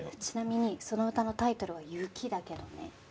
ちなみにその歌のタイトルは『ゆき』だけどね。